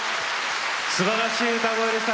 すばらしい歌声でした。